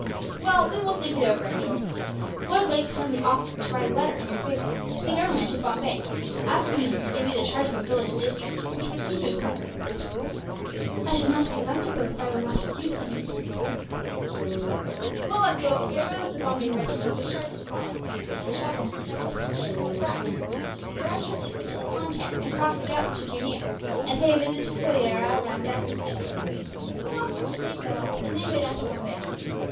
"Well, we will think it over, Abdool. Lord Lake kindly offered to write a letter in your favour to the Government of Bombay, asking them to give you the charge of a village district, which would keep you in comfort." "I should not be comfortable if I were not with you, sahib." "Well, Abdool, we are going with the Bombay regiment which starts tomorrow, and shall travel through Central India to Surat. There I shall leave them in the Concan, and cross the Ghauts to Jooneer, and pay a visit to Soyera, Ramdass, and Sufder, and see them all comfortably settled; and then go down to Bombay.